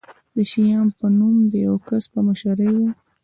د شیام په نوم د یوه کس په مشرۍ و.